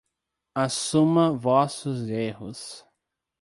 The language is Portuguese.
Assuma vossos erros